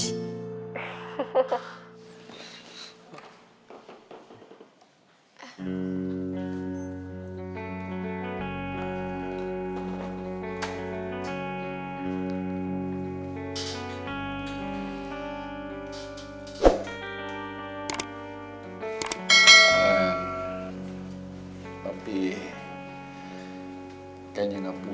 astaga ini lagi panggil dia tuh